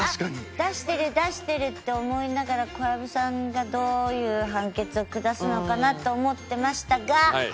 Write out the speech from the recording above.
あっ出してる出してるって思いながら小籔さんがどういう判決を下すのかなと思ってましたが。